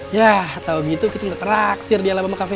yah atau gitu kita udah traktir di alam ama kafe